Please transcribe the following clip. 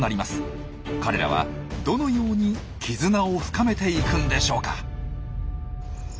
彼らはどのように絆を深めていくんでしょうか？